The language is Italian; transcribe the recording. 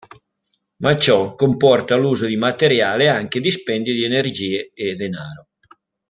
Ma ciò comporta l'uso di materiale e anche dispendio di energie e denaro.